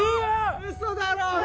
ウソだろ！？